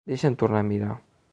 Deixa'm tornar a mirar.